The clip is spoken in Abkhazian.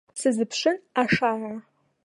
Сазыԥшын ашара.